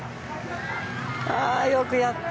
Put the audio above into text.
ああ、よくやった。